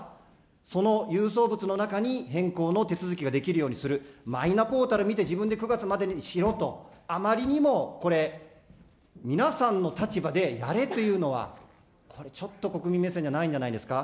その郵送物の中に、変更の手続きができるようにする、マイナポータル見て、自分で９月までにしろと、あまりにも、これ、皆さんの立場でやれっていうのは、これちょっと国民目線じゃないんじゃないですか。